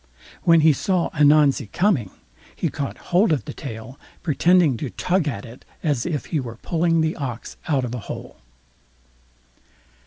When he saw Ananzi coming, he caught hold of the tail, pretending to tug at it as if he were pulling the ox out of the hole.